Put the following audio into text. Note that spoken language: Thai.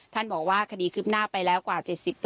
ท่านบอกว่าคดีคืบหน้าไปแล้วกว่า๗๐